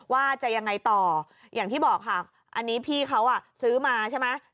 ว่าจะยังไงต่ออย่างที่บอกค่ะอันนี้พี่เขาซื้อมาใช่ไหม